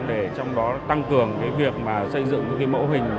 để trong đó tăng cường cái việc mà xây dựng những cái mẫu hình